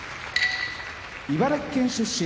茨城県出身